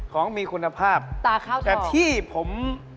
ของมีคุณภาพแต่ที่ผมตาข้าวทอง